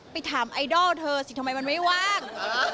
ถามไอดอลเธอสิทำไมมันไม่ว่าง